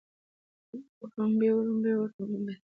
وړومبي وړومبۍ وړومبنۍ